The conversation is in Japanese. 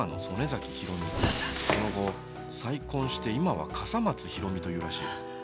その後再婚して今は笠松ひろみというらしい。